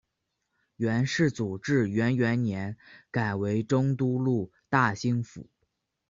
元世祖至元元年改为中都路大兴府。